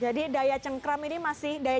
jadi daya cengkram ini masih daya